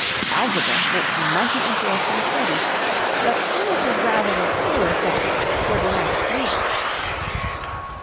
Algebra makes mighty interesting study, but furnishes rather a poor subject for dramatic reading.